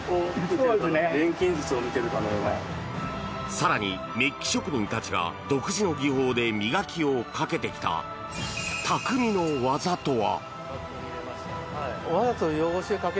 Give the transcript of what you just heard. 更に、メッキ職人たちが独自の技法で磨きをかけてきた匠の技とは？